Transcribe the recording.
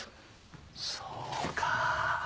そうかぁ。